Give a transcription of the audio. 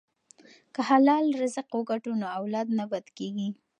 که حلال رزق وګټو نو اولاد نه بد کیږي.